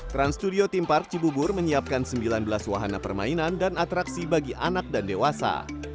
trans studio theme park cibubur menyiapkan sembilan belas wahana permainan dan atraksi bagi anak dan dewasa